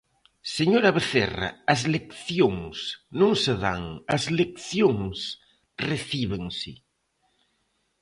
Señora Vecerra, as leccións non se dan, as leccións recíbense.